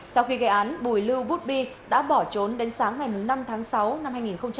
sau khi gây án bùi lưu bút bi đã bỏ trốn đến sáng ngày năm tháng sáu năm hai nghìn hai mươi